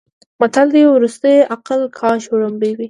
متل دی: ورستیه عقله کاش وړومبی وی.